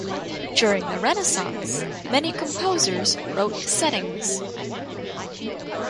During the Renaissance many composers wrote settings.